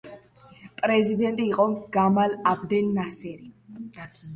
პრეზიდენტი იყო გამალ აბდელ ნასერი.